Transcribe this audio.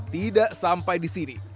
tidak sampai disini